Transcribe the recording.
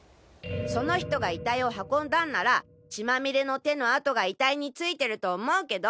その人が遺体を運んだんなら血まみれの手の痕が遺体に付いてると思うけど。